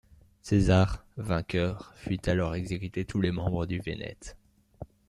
César, vainqueur, fit alors exécuter tous les membres du vénète.